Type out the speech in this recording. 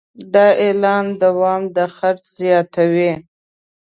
د اعلان دوام د خرڅ زیاتوي.